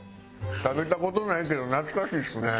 食べた事ないけど懐かしいっすね。